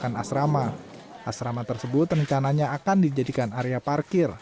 asrama asrama tersebut rencananya akan dijadikan area parkir